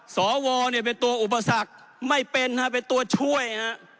สวเนี่ยเป็นตัวอุปสรรคไม่เป็นฮะเป็นตัวช่วยฮะ